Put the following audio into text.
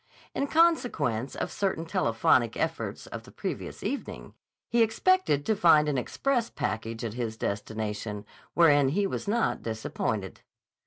In consequence of certain telephonic efforts of the previous evening, he expected to find an express package at his destination, wherein he was not disappointed.